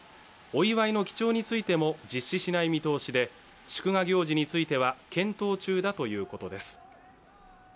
お祝いの記帳についても実施しない見通しで祝賀行事については検討中だということです。